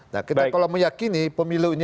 nah kalau kita meyakini pemilu ini